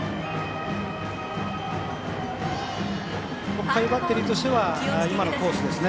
北海バッテリーとしては今のコースですね。